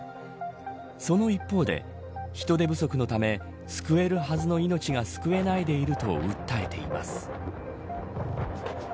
その一方で人手不足のため救えるはずの命が救えないでいると訴えています。